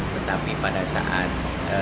tetapi pada saat